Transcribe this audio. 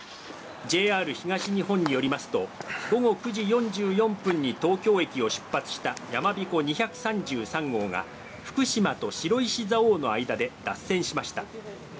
ＪＲ東日本によりますと午後９時４４分に東京駅を出発した、やまびこ２２３号が福島と白石蔵王の間で脱線しました。